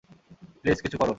Please কিছু করো!